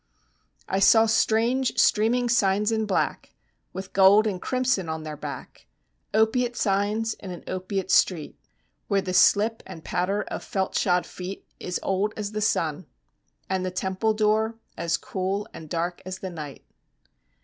I saw strange streaming signs in black With gold and crimson on their back Opiate signs in an opiate street; Where the slip and patter of felt shod feet Is old as the sun; And the temple door As cool and dark as the night.